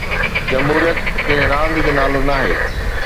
جمهوريت ڪنهن راند جو نالو ناهي.